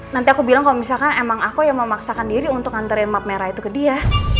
nanti aku bilang kalo misalkan emang aku yang mau maksakan diri untuk nganterin map merah itu ke dia